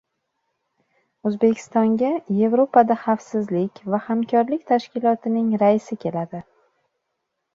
O‘zbekistonga Yevropada xavfsizlik va hamkorlik tashkilotining raisi keladi